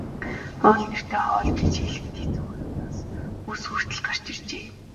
Хоол нэртэй хоол гэж хэлэхэд хэцүүхэн юмнаас нь үс хүртэл гарч иржээ.